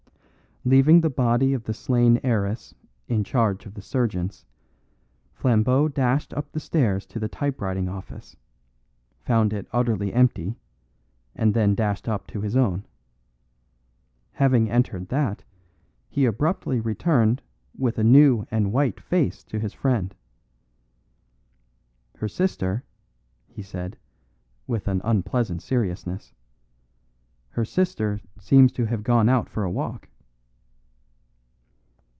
Leaving the body of the slain heiress in charge of the surgeons, Flambeau dashed up the stairs to the typewriting office, found it utterly empty, and then dashed up to his own. Having entered that, he abruptly returned with a new and white face to his friend. "Her sister," he said, with an unpleasant seriousness, "her sister seems to have gone out for a walk."